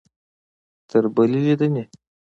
تر بلې لیدنې؟